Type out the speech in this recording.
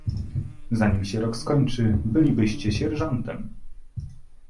"Zanim się rok skończy, bylibyście sierżantem."